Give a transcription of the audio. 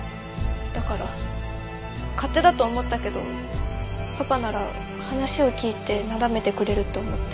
だから勝手だと思ったけどパパなら話を聞いてなだめてくれると思って。